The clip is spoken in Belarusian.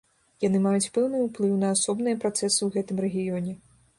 Яны маюць пэўны ўплыў на асобныя працэсы ў гэтым рэгіёне.